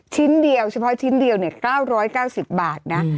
ชิ้นเดียวเฉพาะชิ้นเดียว๙๙๐บาทนะ